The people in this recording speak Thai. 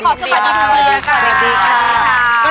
ขอสวัสดีทุกคนเลยกัน